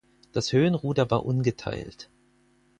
Das Höhenruder war ungeteilt.